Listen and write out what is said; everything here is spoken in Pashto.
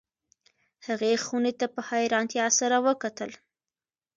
هغې خونې ته په حیرانتیا سره وکتل